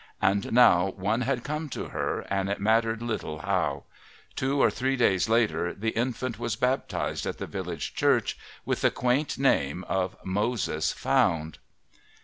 And now one had come to her and it mattered little how. Two or three days later the infant was baptized at the village church with the quaint name of Moses Found.